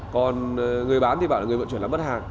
còn người bán thì bảo là người vận chuyển là bất hàng